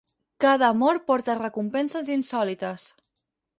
Cada amor porta recompenses insòlites.